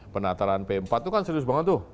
penataran p empat itu kan serius banget tuh